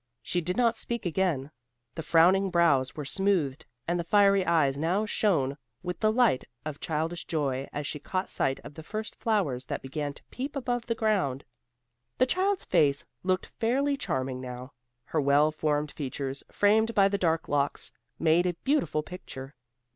She did not speak again. The frowning brows were smoothed and the fiery eyes now shone with the light of childish joy as she caught sight of the first flowers that began to peep above the ground. The child's face looked fairly charming now; her well formed features framed by the dark locks, made a beautiful picture.